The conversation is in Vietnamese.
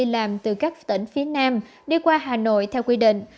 đi làm từ các tỉnh phía nam đi qua hà nội theo quy định